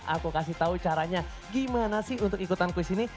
aku kasih tau caranya gimana sih untuk ikutan kuis ini